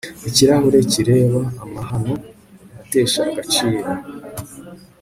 Ikirahure kireba amahano atesha agaciro